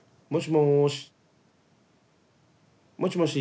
もしもし？